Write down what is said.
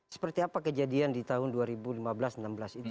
seperti apa kejadian di tahun dua ribu lima belas dua ribu enam belas itu